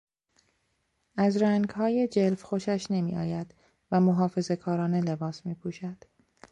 از رنگهای جلف خوشش نمیآید و محافظهکارانه لباس میپوشد.